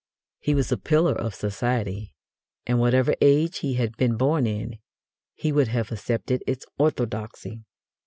He was a pillar of Society, and whatever age he had been born in, he would have accepted its orthodoxy.